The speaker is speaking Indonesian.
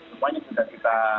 semuanya juga kita